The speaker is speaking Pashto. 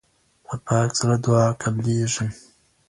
په پاک زړه دعا قبلیږي.